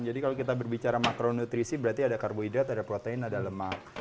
jadi kalau kita berbicara makronutrisi berarti ada karboidrat ada protein ada lemak